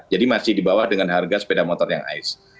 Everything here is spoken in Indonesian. jadi masih di bawah dengan harga sepeda motor yang aiz